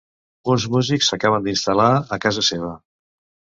Uns músics s'acaben d'instal·lar a casa seva.